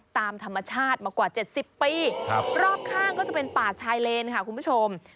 ตามธรรมชาติมากว่า๗๐ปีรอบข้างก็จะเป็นป่าชายเลนค่ะคุณผู้ชม